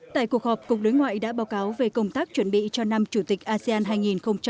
tại cuộc họp cục đối ngoại đã báo cáo về công tác chuẩn bị cho năm chủ tịch asean hai nghìn hai mươi